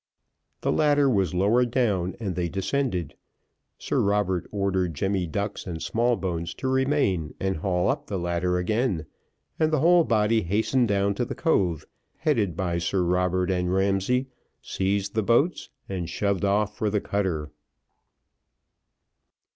The ladder was lowered down, and they descended. Sir Robert ordered Jemmy Ducks and Smallbones to remain and haul up the ladder again, and the whole body hastened down to the cove, headed by Sir Robert and Ramsay, seized the boats, and shoved off for the cutter.